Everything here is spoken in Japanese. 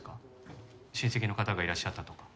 親戚の方がいらっしゃったとか？